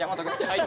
はい。